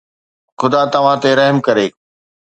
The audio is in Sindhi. خدا توهان تي رحم ڪري